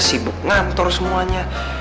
sibuk ngantor semuanya